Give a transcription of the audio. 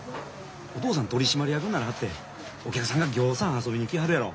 おとうさん取締役にならはってお客さんがぎょうさん遊びに来はるやろ？